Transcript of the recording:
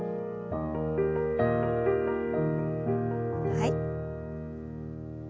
はい。